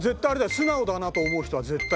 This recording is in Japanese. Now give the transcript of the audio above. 素直だなと思う人は絶対。